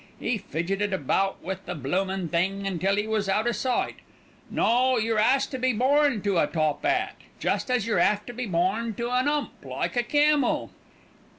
'E fidgeted about with the bloomin' thing until 'e was out o' sight. No, yer 'as to be born to a top 'at, just as yer 'ave to be born to an 'ump, like a camel."